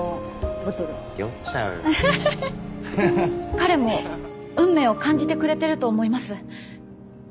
彼も運命を感じてくれてると思います。